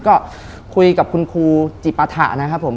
ก็คุยกับคุณครูจิปฐะนะครับผม